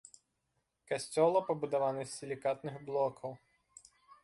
Касцёла пабудаваны з сілікатных блокаў.